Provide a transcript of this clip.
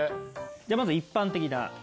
じゃあまず一般的な。